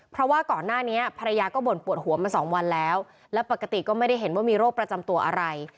เพราะว่าก่อนหน้านี้ภรรยาก็บ่นปวดหัวมาสองวันแล้วและปกติก็ไม่ได้เห็นว่ามีโรคประจำตัวอะไร